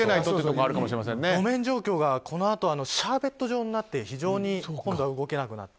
路面状況がこのあとシャーベット状になって今度は動けなくなって。